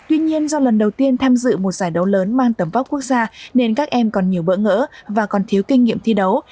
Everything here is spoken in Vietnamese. tuy nhiên do lần đầu tiên tham dự một giải đấu lớn mang tầm vóc quốc gia nên các em còn nhiều bỡ ngỡ và còn thiếu kinh nghiệm thi đấu